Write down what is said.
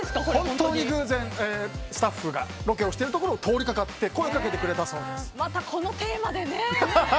本当に偶然スタッフがロケをしているところを通りかかってまたこのテーマでね。